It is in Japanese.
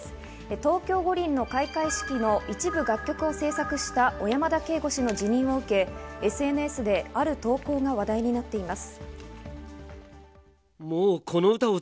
東京五輪の開会式の一部楽曲を制作した小山田圭吾氏の辞任を受けＳＮＳである投稿が話題になっています。